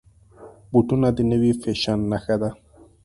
بوټونه د نوي فیشن نښه ده.